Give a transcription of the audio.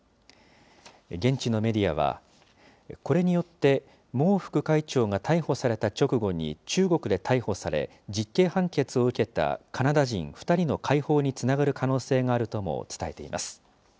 現地のメディアは、これによって、孟副会長が逮捕された直後に中国で逮捕され、実刑判決を受けたカナダ人２人の解放につながる可能性があるとも伝えています。